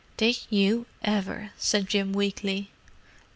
"Did you ever!" said Jim weakly.